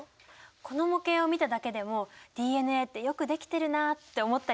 この模型を見ただけでもＤＮＡってよくできてるなあって思ったりしないかな？